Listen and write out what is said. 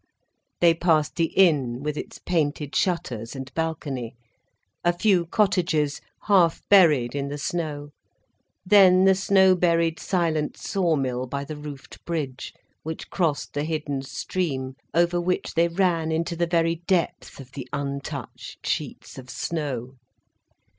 They passed the inn with its painted shutters and balcony, a few cottages, half buried in the snow; then the snow buried silent sawmill by the roofed bridge, which crossed the hidden stream, over which they ran into the very depth of the untouched sheets of snow.